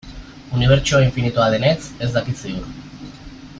Unibertsoa infinitua denetz ez dakit ziur.